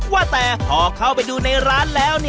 ว่าแต่พอเข้าไปดูในร้านแล้ว